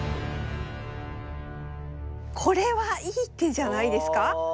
これはいい手じゃないですか？